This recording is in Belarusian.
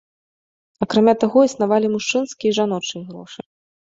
Акрамя таго, існавалі мужчынскія і жаночыя грошы.